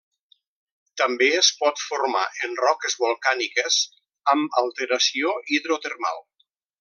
També es pot formar en roques volcàniques amb alteració hidrotermal.